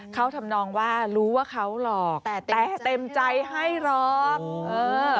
เขาทำนองว่ารู้ว่าเขาหลอกแต่แต่เต็มใจให้หรอกเออ